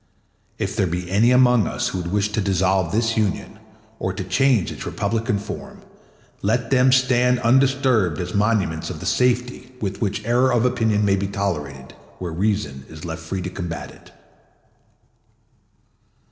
If there be any among us who would wish to dissolve this Union or to change its republican form, let them stand undisturbed as monuments of the safety with which error of opinion may be tolerated where reason is left free to combat it.